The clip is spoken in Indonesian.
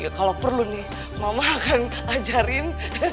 ya kalau perlu nih mama akan ajarin